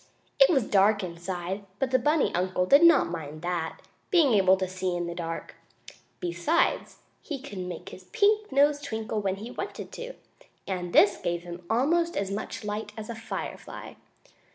It was dark inside, but the bunny uncle did not mind that, being able to see in the dark. Besides, he could make his pink nose twinkle when he wanted to, and this gave almost as much light as a firefly.